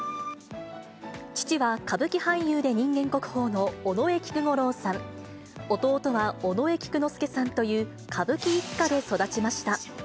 父は歌舞伎俳優で人間国宝の尾上菊五郎さん、弟は尾上菊之助さんという歌舞伎一家で育ちました。